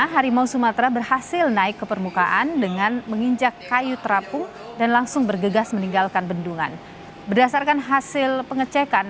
harimau sumatera ini sempat kesulitan mencari sudut bendungan untuk berupaya naik ke permukaan